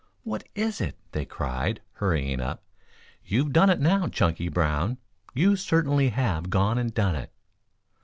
"What is it?" they cried, hurrying up. "You've done it now, Chunky Brown. You certainly have gone and done it."